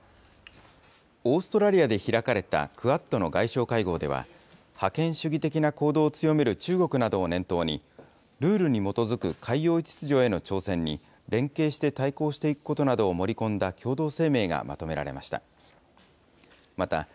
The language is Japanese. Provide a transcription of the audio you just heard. オーストラリアで開かれたクアッドの外相会合では、覇権主義的な行動を強める中国などを念頭に、ルールに基づく海洋秩序への挑戦に連携して対抗していくことなどを盛り込んだ共同声明がまとめられました。